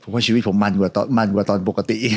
ว่าชีวิตผมมันกว่าตอนปกติ